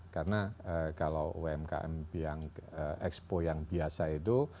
karena kalau umkm yang ekspo yang biasa itu